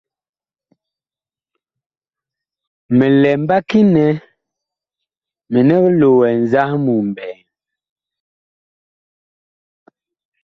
Mi lɛ mbaki nɛ minig loɛ nzahmu ɓɛɛŋ.